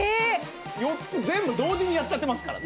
４つ全部同時にやっちゃってますから。